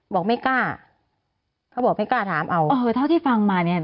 บอกไม่กล้าเขาบอกไม่กล้าถามเอาเออเท่าที่ฟังมาเนี้ย